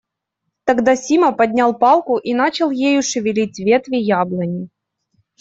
Тогда Сима поднял палку и начал ею шевелить ветви яблони.